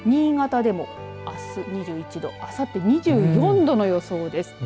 新潟でもあす２１度あさって２４度の予想です。